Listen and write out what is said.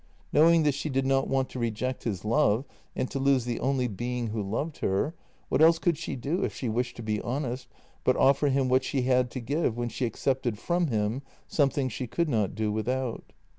Knowing that she did not want to reject his love and to lose the only being who loved her, what else could she do, if she wished to be honest, but offer him what she had to give when she accepted from him something she could not do without?